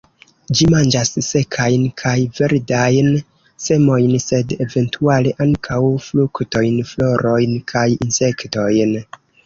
Ĝi manĝas sekajn kaj verdajn semojn, sed eventuale ankaŭ fruktojn, florojn kaj insektojn.